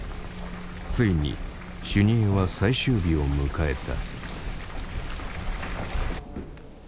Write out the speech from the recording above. ついに修二会は最終日を迎えた。